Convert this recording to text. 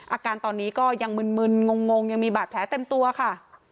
อาการตอนนี้ก็ยังมึนงงยังมีบาดแผลเต็มตัวค่ะ